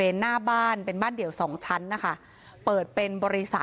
ก็จะแบบเป็นตัวที่จะต้องพิเศษมากที่สุด